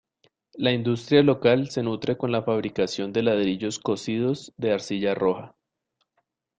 La industria local se nutre con la fabricación de ladrillos cocidos de arcilla roja.